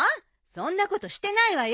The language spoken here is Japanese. そんなことしてないわよ。